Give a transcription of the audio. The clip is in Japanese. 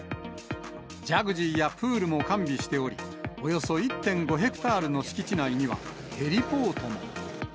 ジャグジーやプールも完備しており、およそ１．５ヘクタールの敷地内には、ヘリポートも。